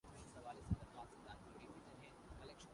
قانون اپنی روح میں نفاذ کا متقاضی ہوتا ہے